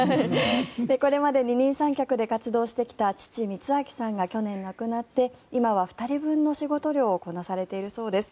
これまで二人三脚で活躍してきた父の充哲さんが去年、亡くなって今は２人分の仕事量をこなされているそうです。